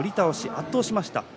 圧倒しました。